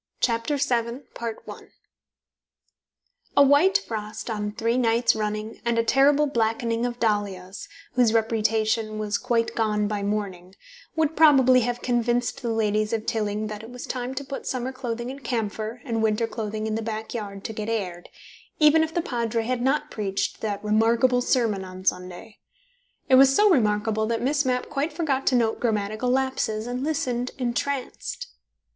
... CHAPTER SEVEN A white frost on three nights running and a terrible blackening of dahlias, whose reputation was quite gone by morning, would probably have convinced the ladies of Tilling that it was time to put summer clothing in camphor and winter clothing in the back yard to get aired, even if the Padre had not preached that remarkable sermon on Sunday. It was so remarkable that Miss Mapp quite forgot to note grammatical lapses and listened entranced.